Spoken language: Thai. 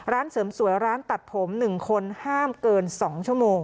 ร้านเสริมสวยร้านตัดผม๑คนห้ามเกิน๒ชั่วโมง